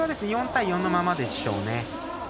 これは４対４のままでしょうね。